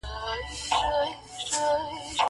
اور د کوه طور سمه، حق سمه، منصور سمه -